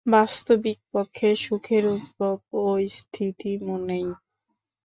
বাস্তবিকপক্ষে সুখের উদ্ভব ও স্থিতি মনেই।